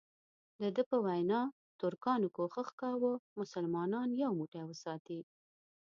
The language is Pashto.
دده په وینا ترکانو کوښښ کاوه مسلمانان یو موټی وساتي.